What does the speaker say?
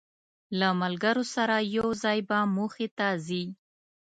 له ملګرو سره یو ځای به موخې ته ځی.